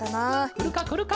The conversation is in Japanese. くるかくるか！